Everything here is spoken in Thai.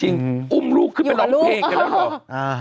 อุ้มลูกขึ้นไปร้องเพลงกันแล้วเถอะ